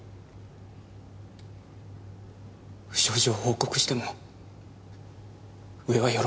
不祥事を報告しても上は喜びません。